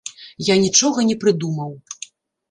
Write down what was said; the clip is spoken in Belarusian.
Я нічога не прыдумаў.